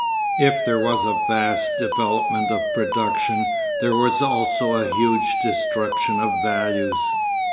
If there was a vast development of production there was also a huge destruction of values.